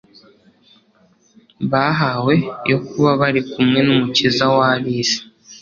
bahawe yo kuba bari kumwe n'Umukiza w'ab'isi.